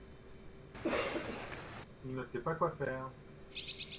Il ne sait pas quoi faire.